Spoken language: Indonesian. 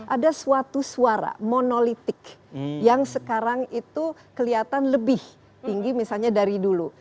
ada suatu suara monolitik yang sekarang itu kelihatan lebih tinggi misalnya dari dulu